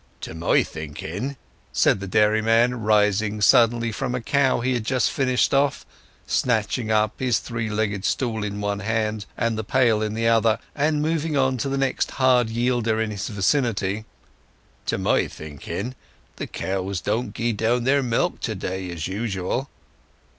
"To my thinking," said the dairyman, rising suddenly from a cow he had just finished off, snatching up his three legged stool in one hand and the pail in the other, and moving on to the next hard yielder in his vicinity, "to my thinking, the cows don't gie down their milk to day as usual.